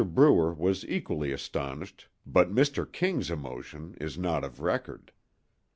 Brewer was equally astonished, but Mr. King's emotion is not of record.